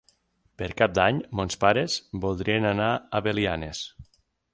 Per Cap d'Any mons pares voldrien anar a Belianes.